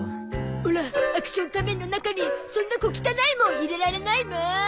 オラアクション仮面の中にそんな小汚いもん入れられないもーん！